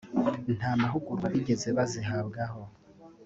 nta mahugurwa bigeze bazihabwaho